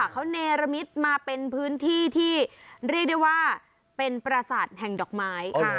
เขาเนรมิตมาเป็นพื้นที่ที่เรียกได้ว่าเป็นประสาทแห่งดอกไม้